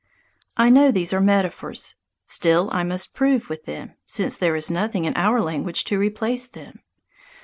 I know these are metaphors. Still, I must prove with them, since there is nothing in our language to replace them.